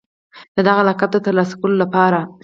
د دغه لقب د ترلاسه کولو لپاره